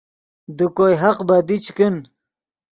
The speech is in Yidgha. دے کوئے حق بدی چے کن